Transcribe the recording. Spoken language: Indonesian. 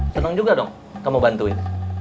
senang juga dong kamu bantuin